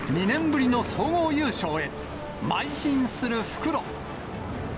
２年ぶりの総合優勝へ、まい進する復路。